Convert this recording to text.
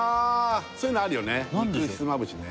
そういうのあるよね肉ひつまぶしね